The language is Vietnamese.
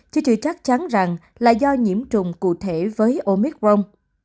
chứ thì chắc chắn rằng là do nhiễm trùng cụ thể với omicron